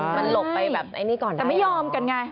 มันหลบไปแบบไอ้นี่ก่อนแต่ไม่ยอมกันไง